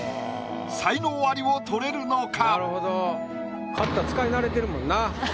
才能アリを取れるのか？